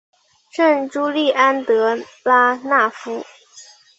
圣朱利安德拉讷夫。